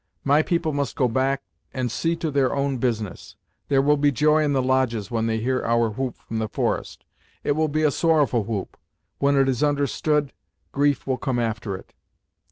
My people must go back and see to their own business. There will be joy in the lodges when they hear our whoop from the forest! It will be a sorrowful whoop; when it is understood, grief will come after it.